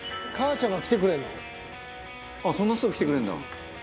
「そんなすぐ来てくれるんだ」